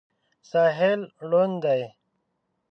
ساحل ړوند دی.